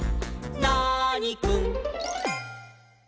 ナーニくん」